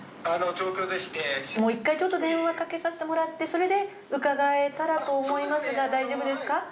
◆もう一回電話かけさせてもらって、それで伺えたらと思いますが、大丈夫ですか。